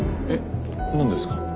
えっなんですか？